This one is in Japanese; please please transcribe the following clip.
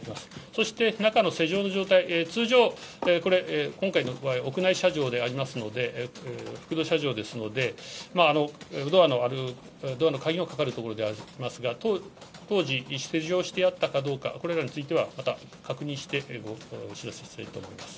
そして中の施錠の状態、通常、これ、今回の場合、屋内射場でありますので、射場ですので、ドアのある、ドアの鍵のかかる所でありますが、当時、施錠してあったかどうか、これらについてはまた確認してお知らせしたいと思います。